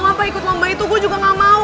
ngapa ikut lomba itu gua juga gamau